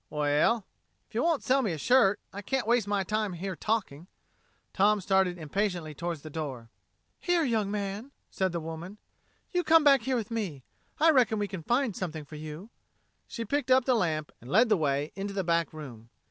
"Well...." "If you won't sell me a shirt, I can't waste my time here talking." Tom started impatiently towards the door. "Here, young man," said the woman, "you come back here with me. I reckon we can find something for you." She picked up the lamp and led the way into the back room.